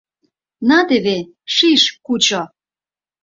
На теве, шиш, кучо!